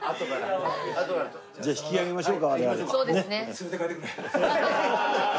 「連れて帰ってくれ」。